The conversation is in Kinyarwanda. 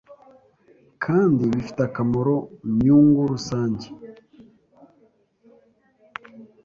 kandi bifite akamaro myungu rusange